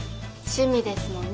趣味ですもんね